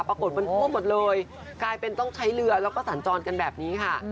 ปรากฏมันท่วมหมดเลยกลายเป็นต้องใช้เรือแล้วก็สัญจรกันแบบนี้ค่ะ